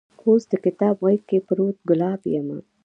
اوس دکتاب غیز کې پروت ګلاب یمه